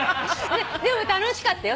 でも楽しかったよ